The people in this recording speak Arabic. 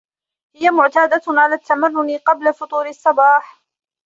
هي معتادة على التمرن قبل فطور الصباح.